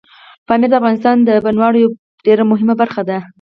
پامیر د افغانستان د بڼوالۍ یوه ډېره مهمه برخه ده.